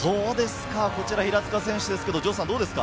こちら平塚選手ですが、どうですか？